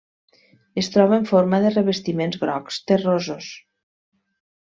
Es troba en forma de revestiments grocs terrosos.